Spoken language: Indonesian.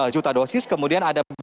juta dosis kemudian ada